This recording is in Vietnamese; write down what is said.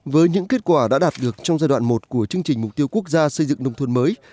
với những kết quả đã đạt được trong giai đoạn một của chương trình mục tiêu quốc gia xây dựng nông thôn mới